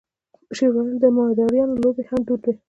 شعر ویل او د مداریانو لوبې هم دود وې.